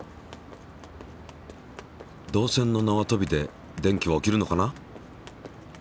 導線のなわとびで電気は起きるのかな？